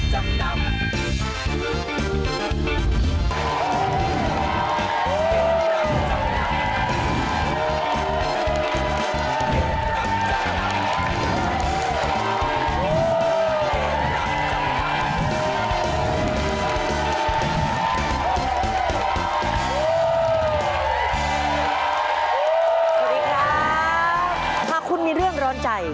ถ้าคุณมีเรื่องร้อนใจหรือใครกำลังร้อนเงิน